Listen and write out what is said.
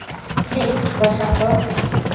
Please, Prashanta.